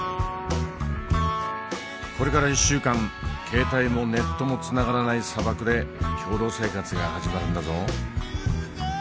これから１週間携帯もネットもつながらない砂漠で共同生活が始まるんだぞ。